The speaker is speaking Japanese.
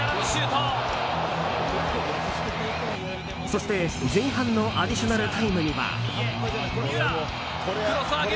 そして、前半のアディショナルタイムには。